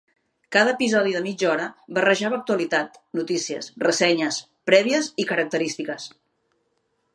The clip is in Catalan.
Cada episodi de mitja hora barrejava actualitat, notícies, ressenyes, prèvies i característiques.